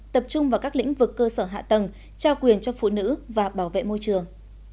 tập trung vào các lĩnh vực cơ sở hạ tầng trao quyền cho phụ nữ và bảo vệ môi trường